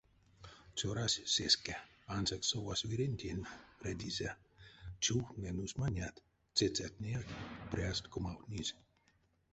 Цёрась сеске, ансяк совась вирентень, редизе: чувтнэ нусманят, цецятнеяк пряст комавтнизь.